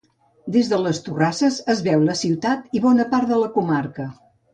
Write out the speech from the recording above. Des de les torrasses es veu la ciutat i bona part de la comarca.